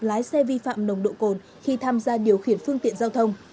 lái xe vi phạm nồng độ cồn khi tham gia điều khiển phương tiện giao thông